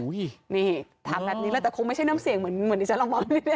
นี่ถามแบบนี้แล้วแต่คงไม่ใช่น้ำเสียงเหมือนที่ฉันลองมองนิด